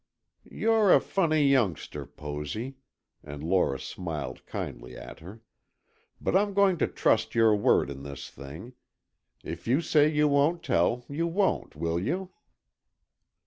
"You're a funny youngster, Posy," and Lora smiled kindly at her, "but I'm going to trust your word in this thing. If you say you won't tell, you won't, will you?"